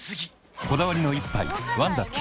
こだわりの一杯「ワンダ極」